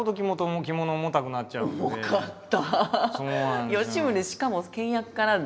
重かった！